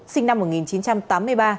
sinh năm một nghìn chín trăm tám mươi ba